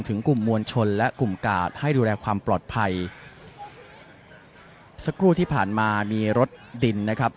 กลุ่มมวลชนและกลุ่มกาดให้ดูแลความปลอดภัยสักครู่ที่ผ่านมามีรถดินนะครับ